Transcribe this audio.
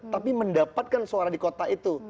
tapi mendapatkan suara di kota itu